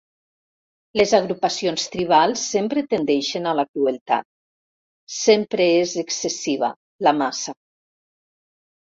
Les agrupacions tribals sempre tendeixen a la crueltat; sempre és excessiva, la massa.